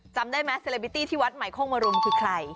จำได้ไหมเซเลบิตี้ที่วัดใหม่โคกมรุมคือใคร